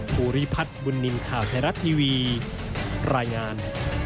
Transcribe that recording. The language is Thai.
ภูริพัฒน์บุญนินทร์ข่าวไทยรัฐทีวีรายงาน